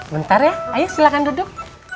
bentar ya ayo silahkan duduk